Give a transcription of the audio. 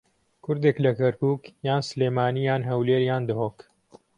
کوردێک لە کەرکووک یان سلێمانی یان هەولێر یان دهۆک